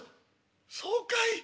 「そうかい。